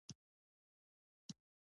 فکر مې وکړ چې دا نجلۍ ممکنه یوه جاسوسه وي